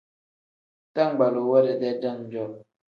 Bitangbaluu we dedee dam-jo.